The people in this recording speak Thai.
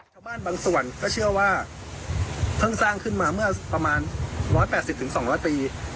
ชาวบ้านบางส่วนก็เชื่อว่าเพิ่งสร้างขึ้นมาเมื่อประมาณ๑๘๐๒๐๐ปี